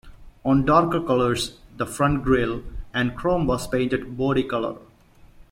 On darker colors, the front grille and chrome was painted body color.